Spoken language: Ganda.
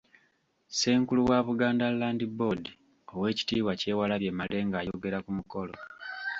Ssenkulu wa Buganda Land Board Owekitiibwa Kyewalabye Male ng'ayogera ku mukolo.